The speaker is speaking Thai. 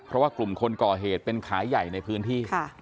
เพราะว่ากลุ่มคนก่อเหตุเป็นขายใหญ่ในพื้นที่